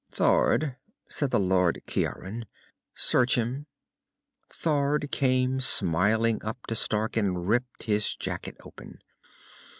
"Thord," said the Lord Ciaran, "search him." Thord came smiling up to Stark and ripped his jacket open.